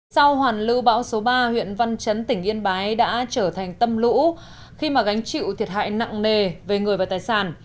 sau hoàn lưu bão số ba huyện văn chấn tỉnh yên bái đã trở thành tâm lũ khi mà gánh chịu thiệt hại nặng nề về người và tài sản